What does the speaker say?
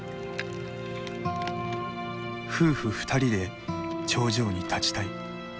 「夫婦２人で頂上に立ちたい」。